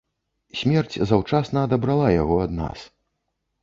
Смерць заўчасна адабрала яго ад нас.